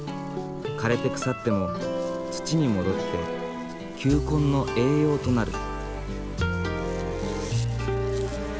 枯れて腐っても土に戻って球根の栄養となる。